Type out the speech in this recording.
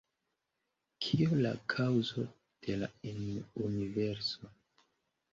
Kiu la kaŭzo de la universo?